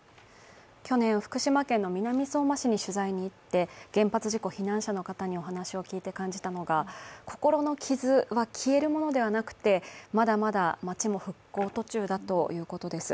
去年、福島県の南相馬市に取材に行って原発事故避難者の方にお話を聞いて感じたのは心の傷は消えるものではなくて、まだまだ町も復興途中だということです。